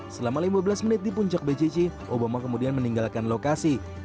selama lima belas menit di puncak bcc obama kemudian meninggalkan lokasi